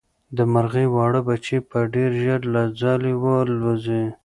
د مرغۍ واړه بچي به ډېر ژر له ځالې والوځي.